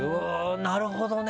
なるほどね！